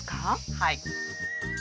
はい。